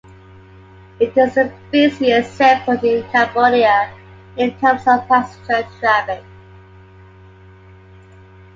It is the busiest airport in Cambodia in terms of passenger traffic.